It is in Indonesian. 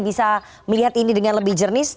bisa melihat ini dengan lebih jernih